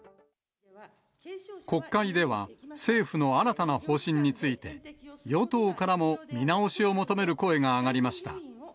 国会では、政府の新たな方針について、与党からも見直しを求める声が上がりました。